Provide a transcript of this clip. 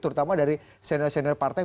terutama dari senior senior partai